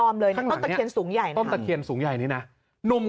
มาสักพันธุ์หนึ่งฟ้าผ่า